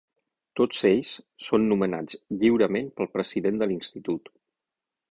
Tots ells són nomenats lliurement pel president de l'institut.